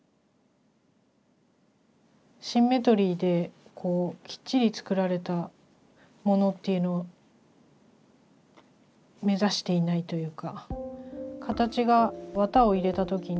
シンメトリーできっちり作られたものっていうのを目指していないというか。